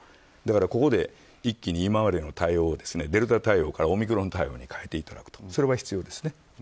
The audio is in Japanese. ここで一気に今までの対応をデルタ対応からオミクロン対応に変えていくそれは必要ですね。